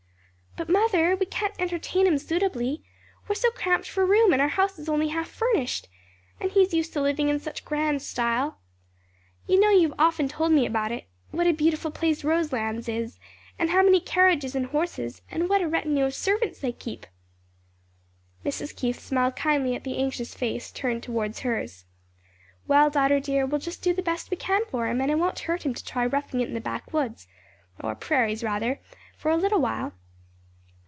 "But, mother, we can't entertain him suitably, we're so cramped for room and our house only half furnished; and he is used to living in such grand style. You know you have often told me about it what a beautiful place Roselands is, and how many carriages and horses, and what a retinue of servants they keep." Mrs. Keith smiled kindly at the anxious face turned toward hers. "Well, daughter dear, we'll just do the best we can for him and it won't hurt him to try roughing it in the backwoods or prairies rather for a little while."